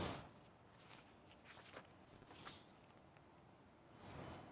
bệnh bạch hầu